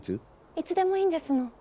いつでもいいんですの。